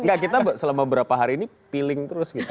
enggak kita selama berapa hari ini feeling terus gitu